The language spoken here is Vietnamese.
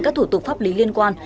các thủ tục pháp lý liên quan